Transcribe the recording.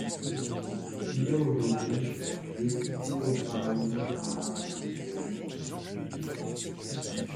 Il est aujourd'hui, député au Parlement arabe provisoire.